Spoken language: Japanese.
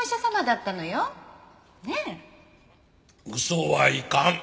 嘘はいかん。